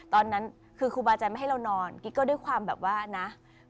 ตอนนั้นคือครูบาใจไม่ให้เรานอนกิ๊กก็ด้วยความแบบว่านะ